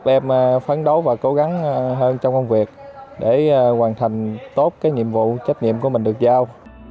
em phấn đấu và cố gắng hơn trong công việc để hoàn thành tốt cái nhiệm vụ trách nhiệm của mình được giao